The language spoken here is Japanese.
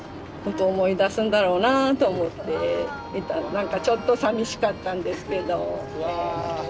何かちょっとさみしかったんですけど。